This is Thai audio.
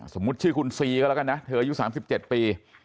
สมมุติชื่อคุณซีก็แล้วกันนะเธออายุ๓๗ปี